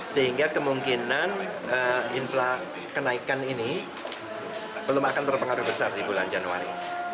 sehingga kemungkinan inflasi kenaikan ini belum akan terpengaruh besar di bulan januari